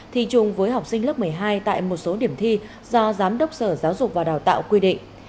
thi chung với học sinh lớp một mươi hai tại một số điểm thi do giám đốc sở giáo dục và đào tạo quy định